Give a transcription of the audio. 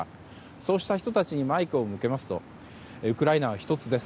そうした人たちにマイクを向けますとウクライナは１つです。